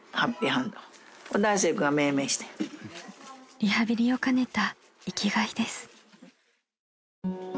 ［リハビリを兼ねた生きがいです］